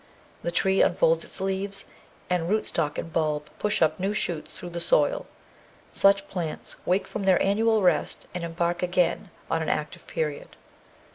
The tree unfolds its leaves, and root stock and bulb push up new shoots through the soil; such plants wake from their annual rest and embark again on an active period.